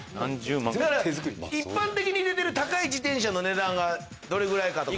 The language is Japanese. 一般的に出てる高い自転車の値段がどれぐらいかとか。